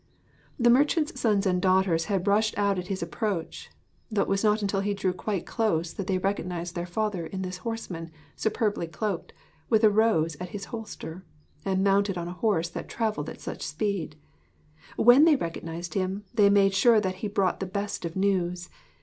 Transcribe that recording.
The merchant's sons and daughters had rushed out at his approach; though it was not until he drew quite close that they recognised their father in this horseman superbly cloaked, with a rose at his holster, and mounted on a horse that travelled at such a speed. When they recognised him, they made sure that he brought the best of news.